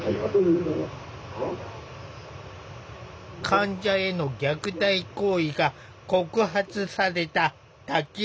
患者への虐待行為が告発された滝山病院。